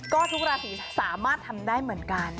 ก็ทุกราศีสามารถทำได้เหมือนกัน